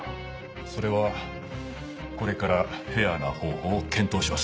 それはこれからフェアな方法を検討します。